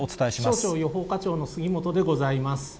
気象庁予報課長の杉本でございます。